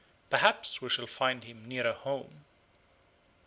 Perhaps we shall find him nearer home.